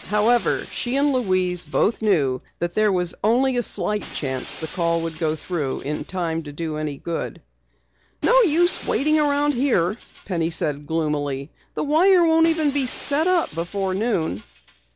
However, she and Louise both knew that there was slight chance the call would go through in time to do any good. "No use waiting around here," Penny said gloomily. "The wire won't even be set up before noon."